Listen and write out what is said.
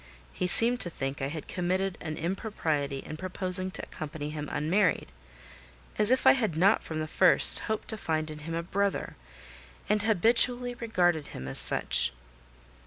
He seemed to think I had committed an impropriety in proposing to accompany him unmarried: as if I had not from the first hoped to find in him a brother, and habitually regarded him as such."